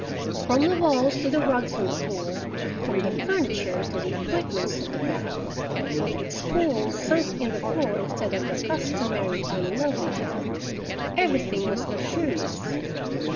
From the walls to the rugs on the floor, from the furniture to the appointments of the bath, with its pool sunk in the floor instead of the customary unlovely tub, everything was luxurious.